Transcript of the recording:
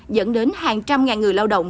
dẫn đến hàng trăm ngàn người lao động